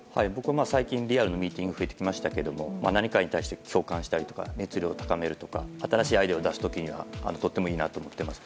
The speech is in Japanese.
最近リアルでのミーティングが増えてきましたが何かに対して共感したり熱量を高めるとか新しいアイデアを出す時にはとてもいいと思います。